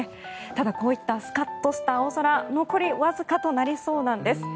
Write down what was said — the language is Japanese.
ただこういったスカッとした青空残りわずかとなりそうなんです。